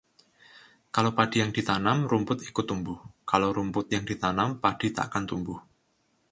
Kalau padi yang ditanam, rumput ikut tumbuh; Kalau rumput yang ditanam, padi takkan tumbuh